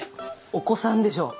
お子さんでしょう？